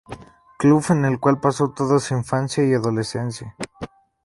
Club en el cual pasó toda su infancia y adolescencia.